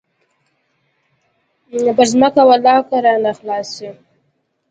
پر ځمکه ولله که رانه خلاص سي.